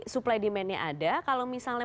supply demand nya ada kalau misalnya